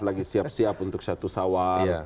lagi siap siap untuk satu sawar